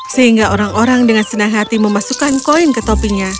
sehingga orang orang dengan senang hati memasukkan koin ke topinya